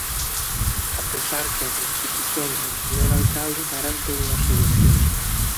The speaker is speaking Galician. A pesar que a Constitución e o señor Alcalde garanten unha solución.